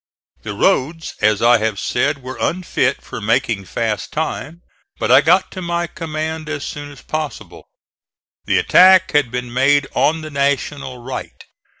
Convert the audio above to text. The roads, as I have said, were unfit for making fast time, but I got to my command as soon as possible. The attack had been made on the National right.